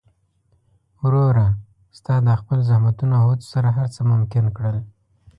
وروره! ستا د خپل زحمتونو او هڅو سره هر څه ممکن کړل.